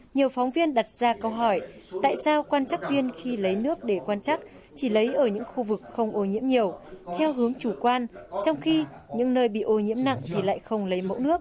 nhiều phóng viên đặt ra câu hỏi tại sao quan chắc viên khi lấy nước để quan chắc chỉ lấy ở những khu vực không ô nhiễm nhiều theo hướng chủ quan trong khi những nơi bị ô nhiễm nặng thì lại không lấy mẫu nước